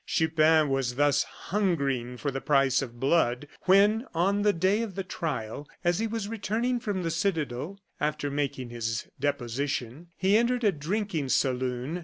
Chupin was thus hungering for the price of blood, when, on the day of the trial, as he was returning from the citadel, after making his deposition, he entered a drinking saloon.